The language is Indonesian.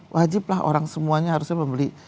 wajiblah orang semuanya harusnya membeli